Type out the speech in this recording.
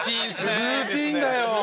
ルーティンだよ。